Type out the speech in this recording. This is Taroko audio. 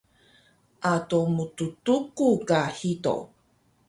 ado mttuku ka hido